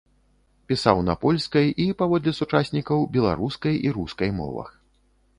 Пісаў на польскай і, паводле сучаснікаў, беларускай і рускай мовах.